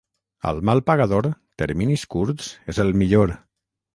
Al mal pagador, terminis curts és el millor.